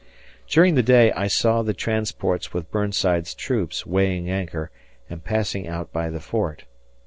During the day, I saw the transports with Burnside's troops weighing anchor and passing out by the fort.